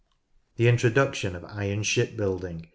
The introduction of iron ship building m.